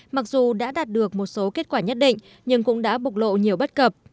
mặc dù đã đạt được một số kết quả nhất định nhưng cũng đã bục lộ nhiều bất cập